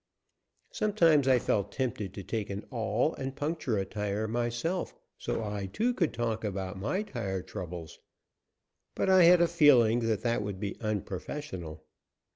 Sometimes I felt tempted to take an awl and puncture a tire myself, so I, too, could talk about my tire troubles, but I had a feeling that that would be unprofessional.